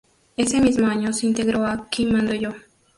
Ese mismo año, se integró a "Aquí mando yo".